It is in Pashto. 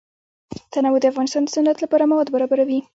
تنوع د افغانستان د صنعت لپاره مواد برابروي.